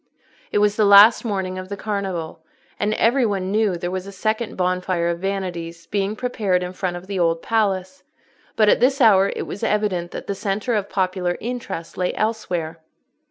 It was the last morning of the Carnival, and every one knew there was a second Bonfire of Vanities being prepared in front of the Old Palace; but at this hour it was evident that the centre of popular interest lay elsewhere.